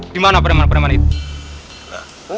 dimana preman dua itu